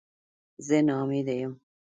زه نا امیده یم